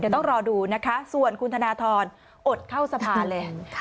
เดี๋ยวต้องรอดูนะคะส่วนคุณธนทรอดเข้าสภาเลย